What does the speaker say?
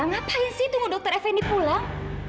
ngapain sih tunggu dokter fnd pulang